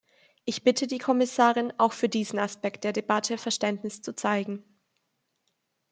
Ich bitte die Kommissarin, auch für diesen Aspekt der Debatte Verständnis zu zeigen.